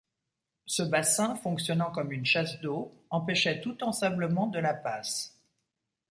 Ce bassin, fonctionnant comme une chasse d'eau, empêchait tout ensablement de la passe.